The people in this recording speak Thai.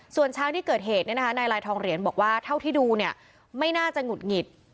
ส่วนช้างที่เกิดเหตุนายลายทองเหรียญบอกว่าเท่าที่ดูไม่น่าจะหงุดหงิด